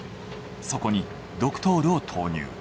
そこにドクトールを投入。